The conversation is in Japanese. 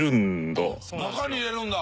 あっ中に入れるんだ！